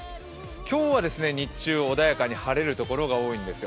今日は日中穏やかに晴れるところが多いんですよ。